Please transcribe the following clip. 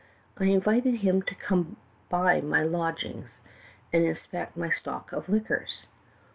I invited him to come to my lodgings and inspect my stock of liquors.